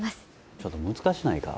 ちょっと難しないか？